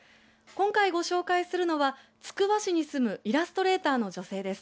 今回ご紹介するのはつくば市に住むイラストレーターの女性です。